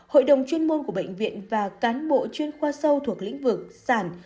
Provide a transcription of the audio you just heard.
hội đồng chuyên môn của bệnh viện và cán bộ chuyên khoa sâu thuộc lĩnh vực sản